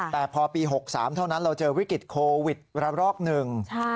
แต่พอปี๖๓เท่านั้นเราเจอวิกฤตโควิดระรอกหนึ่ง